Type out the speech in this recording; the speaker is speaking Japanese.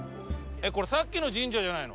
これさっきの神社じゃないの？